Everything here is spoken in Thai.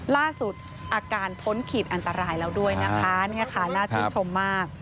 ล่าสุดอาการพ้นขีดอันตรายแล้วด้วยนะคะเนี่ยค่ะน่าชื่นชมมาก